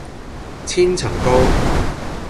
千層糕